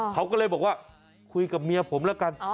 เขาก็เลยบอกว่าคุยกับเมียผมแล้วกัน